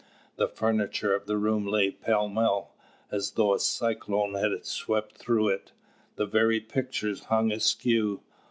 The furniture of the room lay pell mell, as though a cyclone had swept through it. The very pictures hung askew.